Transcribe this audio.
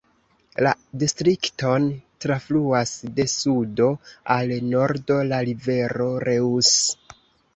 La distrikton trafluas de sudo al nordo la rivero Reuss.